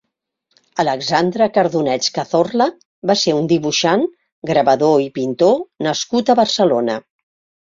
Alexandre Cardunets Cazorla va ser un dibuixant, gravador i pintor nascut a Barcelona.